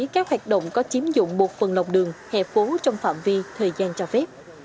quản lý các hoạt động có chiếm dụng một phần lọc đường hệ phố trong phạm vi thời gian cho phép